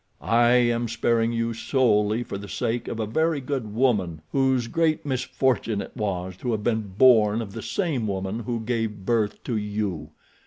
I am sparing you solely for the sake of a very good woman whose great misfortune it was to have been born of the same woman who gave birth to you.